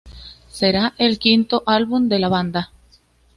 Será el quinto álbum de la banda.